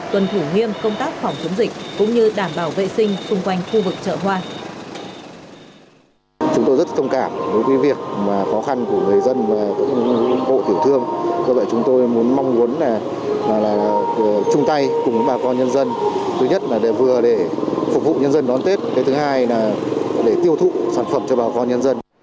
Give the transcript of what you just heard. tuần thủ nghiêm công tác phòng chống dịch cũng như đảm bảo vệ sinh xung quanh khu vực chợ hoa